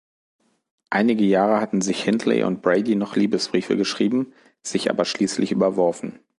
Einige Jahre hatten sich Hindley und Brady noch Liebesbriefe geschrieben, sich aber schließlich überworfen.